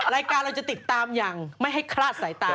รายการเราจะติดตามอย่างไม่ให้คลาดสายตา